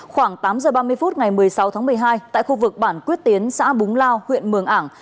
khoảng tám giờ ba mươi phút ngày một mươi sáu tháng một mươi hai tại khu vực bản quyết tiến xã búng lao huyện mường ảng